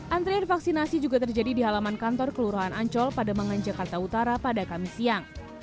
antrian vaksinasi juga terjadi di halaman kantor kelurahan ancol pada mangan jakarta utara pada kamis siang